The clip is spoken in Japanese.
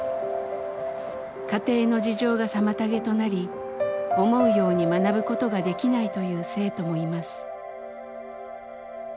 家庭の事情が妨げとなり思うように学ぶことができないという生徒もいます。